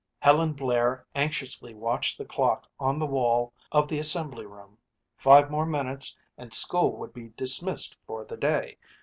Helen Blair anxiously watched the clock on the wall of the assembly room. Five more minutes and school would be dismissed for the day.